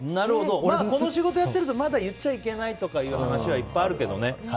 この仕事やってるとまだ言っちゃいけないとかいう話はいっぱいあるけどね。